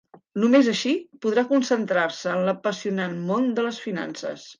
Només així podrà concentrar-se en l'apassionant món de les finances.